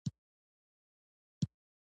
کارکوونکي یې تللي وو.